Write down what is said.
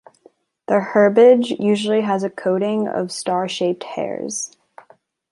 The herbage usually has a coating of star-shaped hairs.